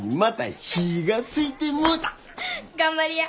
頑張りや。